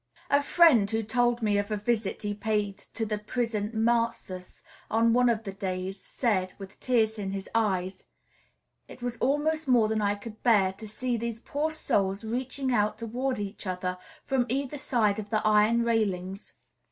A friend who told me of a visit he paid to the Prison Mazas, on one of the days, said, with tears in his eyes, "It was almost more than I could bear to see these poor souls reaching out toward each other from either side of the iron railings.